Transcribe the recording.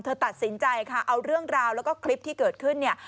ตัดสินใจค่ะเอาเรื่องราวแล้วก็คลิปที่เกิดขึ้นเนี่ย